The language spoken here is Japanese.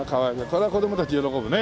これは子供たち喜ぶね。